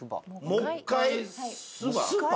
もっかいすば？